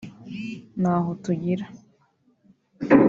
"Ntaho tugira